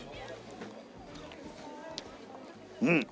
うん！